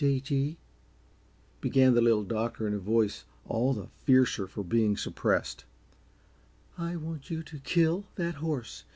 "J. G.," began the Little Doctor in a voice all the fiercer for being suppressed, "I want you to kill that horse.